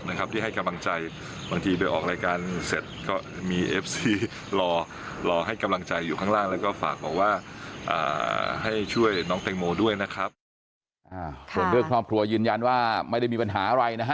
ส่วนเรื่องครอบครัวยืนยันว่าไม่ได้มีปัญหาอะไรนะฮะ